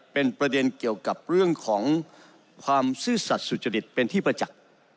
เป็นประเด็นเกี่ยวกับเรื่องของความซื่อสัตว์สุจริตเป็นที่ประจักษ์